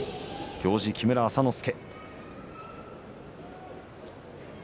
行司、木村朝之助。